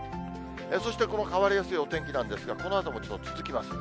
そしてこの変わりやすいお天気なんですが、このあとも続きます。